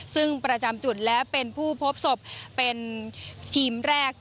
ซึ่งประจำจุดและเป็นผู้พบศพเป็นทีมแรก